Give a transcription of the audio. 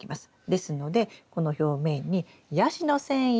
ですのでこの表面にヤシの繊維。